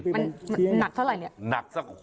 มันหนักเท่าไหร่เนี่ย